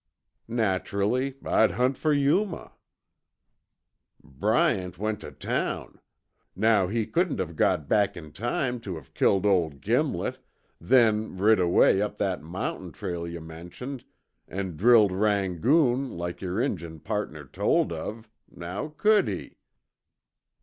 "Naturally, I'd hunt for Yuma." "Bryant went tuh town. Now he couldn't have got back in time tuh have killed old Gimlet, then rid away up that mountain trail yuh mentioned, an' drilled Rangoon like yer Injun pardner told of. Now could he?"